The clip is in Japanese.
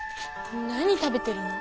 何食べてるの？